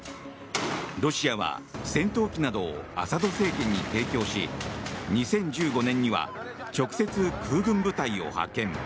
ロシアは戦闘機などをアサド政権に提供し２０１５年には直接、空軍部隊を派遣。